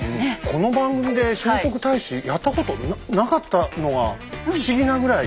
この番組で聖徳太子やったことなかったのが不思議なぐらい。